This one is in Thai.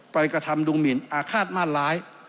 กระทำดูหมินอาฆาตมาตร้าย